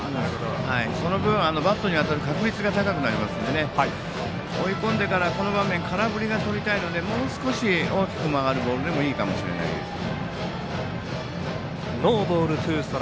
その分、バットに当たる確率が高くなりますので追い込んでからこの場面空振りがとりたいのでもう少し大きく曲がるボールでもいいかもしれないですよね。